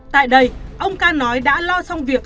tại đây ông ca nói đã lo xong việc